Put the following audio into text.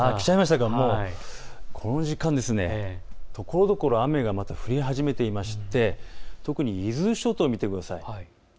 この時間、ところどころ雨がまた降り始めていまして特に伊豆諸島を見てください。